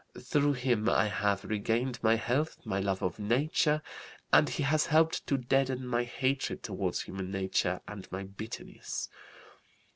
Through him I have regained my health, my love of nature, and he has helped to deaden my hatred toward human nature and my bitterness.